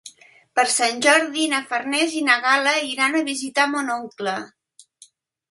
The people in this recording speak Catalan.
Per Sant Jordi na Farners i na Gal·la iran a visitar mon oncle.